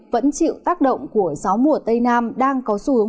vẫn chịu tác động của gió mùa tây nam đang có xu hướng